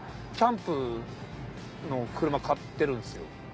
キャンプの車買ってるんすよ。